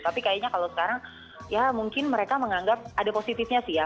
tapi kayaknya kalau sekarang ya mungkin mereka menganggap ada positifnya sih ya